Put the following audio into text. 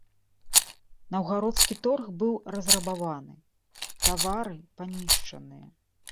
Наўгародскі торг быў разрабаваны, тавары панішчаныя.